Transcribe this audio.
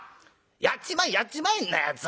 やっちまえやっちまえんなやつは。